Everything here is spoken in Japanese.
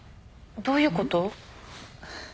どういうこと？